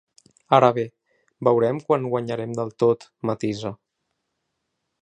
Ara bé, veurem quan guanyarem del tot, matisa.